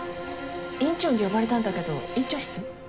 院長に呼ばれたんだけど院長室？